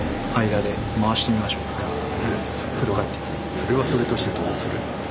それはそれとしてどうする？